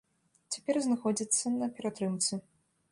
Цяпер знаходзіцца на ператрымцы.